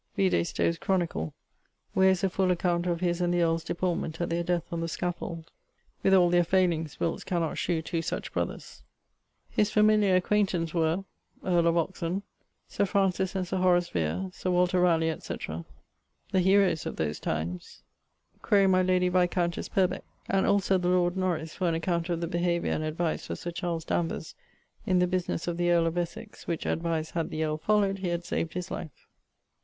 Vide Stowe's Chronicle, where is a full account of his and the earle's deportment at their death on the scaffold. With all their faylings, Wilts cannot shew two such brothers. His familiar acquaintance were ..., earl of Oxon; Sir Francis and Sir Horace Vere; Sir Walter Ralegh, etc. the heroes of those times. Quaere my lady viscountesse Purbec and also the lord Norris for an account of the behaviour and advice of Sir Charles Danvers in the businesse of the earl of Essex, which advice had the earle followed he had saved his life.